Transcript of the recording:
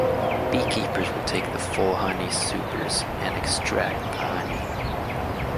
Beekeepers will take the full honey supers and extract the honey.